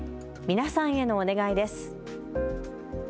皆さんへのお願いです。